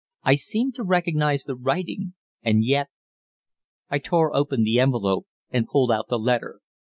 I seemed to recognize the writing, and yet I tore open the envelope and pulled out the letter.